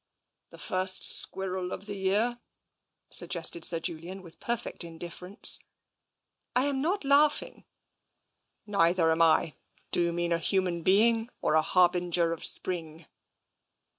'' "The first squirrel of the year,'' suggested Sir Julian, with perfect indifference. I am not laughing." Neither am I. Do you mean a human being, or a harbinger of spring